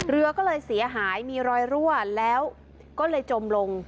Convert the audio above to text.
เรือก็เลยเสียหายมีรอยรั่วแล้วก็เลยจมลง